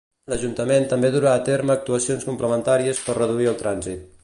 L'Ajuntament també durà a terme actuacions complementàries per reduir el trànsit.